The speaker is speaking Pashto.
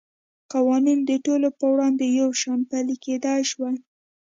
قوانین د ټولو په وړاندې یو شان پلی کېدای شوای.